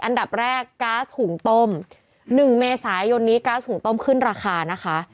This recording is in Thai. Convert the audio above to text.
อันดับแรกก๊าซหุงต้ม๑เมษายนนี้ก๊าซหุงต้มขึ้นราคานะคะ